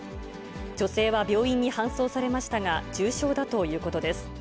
女性は病院に搬送されましたが、重傷だということです。